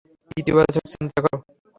ইতিবাচক চিন্তা করো!